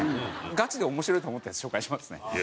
ガチで面白いと思ったやつ紹介しますね。